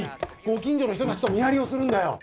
ご近所の人たちと見張りをするんだよ。